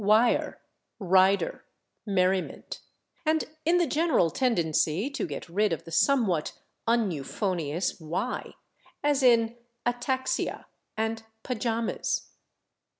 /wire/, /rider/, /merriment/), and in the general tendency to get rid of the somewhat uneuphonious /y/, as in /ataxia/ and /pajamas